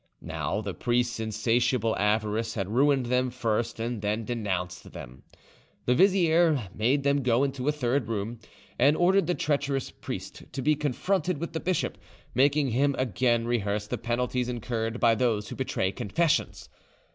Now the priest's insatiable avarice had ruined them first and then denounced them. The vizier made them go into a third room, and ordered the treacherous priest to be confronted with the bishop, making him again rehearse the penalties incurred by those who betray confessions.